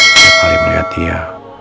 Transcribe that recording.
setiap kali melihat dia